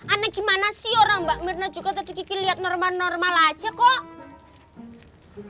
aneh gimana sih orang mbak mirna juga tadi kikil lihat normal normal aja kok